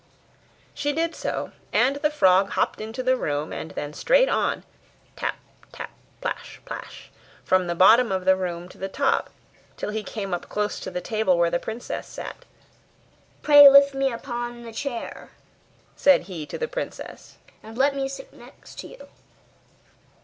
She did so, and the frog hopped into the room, and then straight on tap, tap plash, plash from the bottom of the room to the top, till he came up close to the table where the princess sat. 'Pray lift me upon chair,' said he to the princess, 'and let me sit next to you.